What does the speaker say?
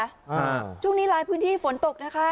อ่าช่วงนี้หลายพื้นที่ฝนตกนะคะ